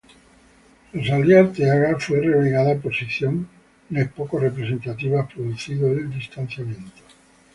Rosalia Arteaga fue relegada posiciones poco representativas, producido el distanciamiento.